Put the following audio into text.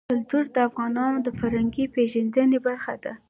کلتور د افغانانو د فرهنګي پیژندنې برخه ده.